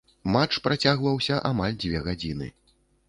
Матч працягваўся амаль дзве гадзіны.